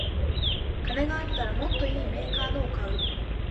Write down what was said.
金があったらもっといいメーカーのを買う